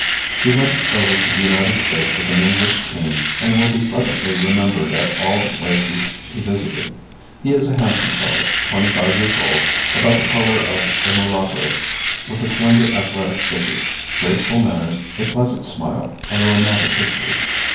He went over to the United States with an English team and will be pleasantly remembered at all the places he visited. He is a handsome fellow, 25 years old, about the color of a mulatto, with a slender athletic figure, graceful manners, a pleasant smile, and a romantic history.